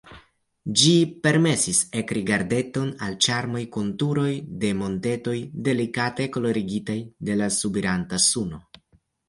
Ĝi permesis ekrigardeton al ĉarmaj konturoj de montetoj, delikate kolorigitaj de la subiranta suno.